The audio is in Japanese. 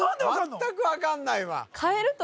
全く分かんないわ